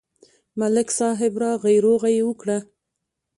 ملک صاحب راغی، روغه یې وکړه.